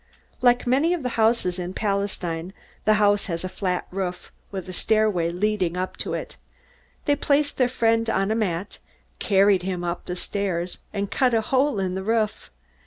Like many of the houses in Palestine, this house had a flat roof, with a stairway leading up to it. They placed their friend on a mat, carried him up the stairs, and cut a hole in the roof.